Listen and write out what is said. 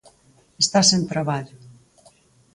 Está sen traballo.